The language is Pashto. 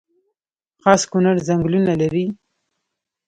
خاص کونړ ځنګلونه لري؟